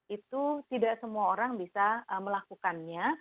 itu tidak semua orang bisa melakukannya